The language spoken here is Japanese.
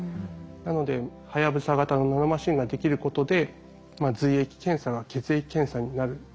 なのではやぶさ型のナノマシンができることで髄液検査が血液検査になる。